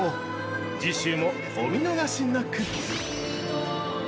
次週もお見逃しなく！